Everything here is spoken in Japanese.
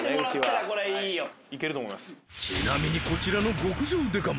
ちなみにこちらの極上デカ盛